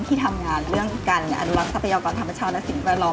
ที่ทำงานเรื่องการอนุรักษ์ทรัพยากรธรรมชาติและสิ่งแวดล้อม